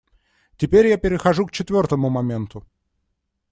Теперь я перехожу к четвертому моменту.